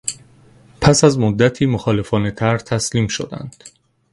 پس از مدتی مخالفان طرح تسلیم شدند.